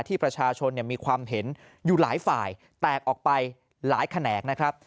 ที่ประชาชนมีความเห็นอยู่หลายฝ่ายแตกออกไปหลายแขนงนะครับ